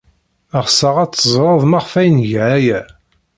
Ɣseɣ ad teẓred maɣef ay nga aya.